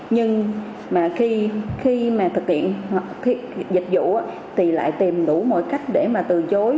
nhưng mà khi mà thực hiện hoặc dịch vụ thì lại tìm đủ mọi cách để mà từ chối